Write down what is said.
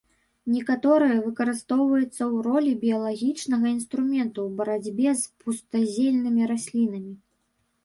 Некаторыя выкарыстоўваюцца ў ролі біялагічнага інструменту ў барацьбе з пустазельнымі раслінамі.